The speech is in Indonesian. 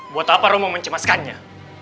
buat apa kamu mau mencemaskannya